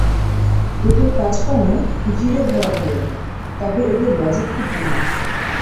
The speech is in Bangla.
এদের কাজকর্ম ঢিলেঢালা ধরনের, তবে এদের লজিক খুব উন্নত।